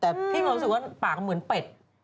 แต่พี่มีความรู้สึกว่าปากเหมือนเป็ด